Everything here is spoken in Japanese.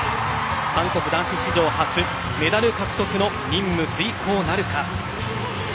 韓国男子史上初メダル獲得の任務遂行なるか。